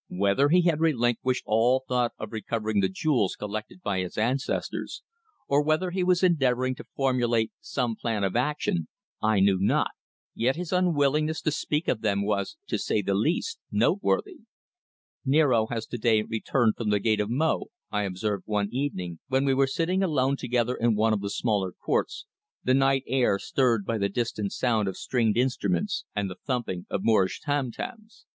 Whether he had relinquished all thought of recovering the jewels collected by his ancestors, or whether he was endeavouring to formulate some plan of action I knew not, yet his unwillingness to speak of them was, to say the least, noteworthy. "Niaro has to day returned from the gate of Mo," I observed one evening when we were sitting alone together in one of the smaller courts, the night air stirred by the distant sound of stringed instruments and the thumping of Moorish tam tams.